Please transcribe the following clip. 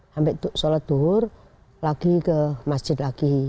sampai sholat duhur lagi ke masjid lagi